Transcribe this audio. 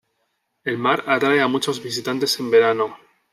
El mar atrae a muchos visitantes en verano.